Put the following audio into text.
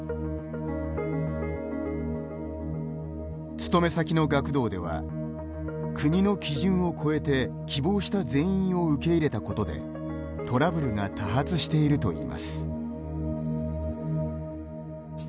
勤め先の学童では国の基準を超えて希望した全員を受け入れたことでトラブルが多発しているといいます。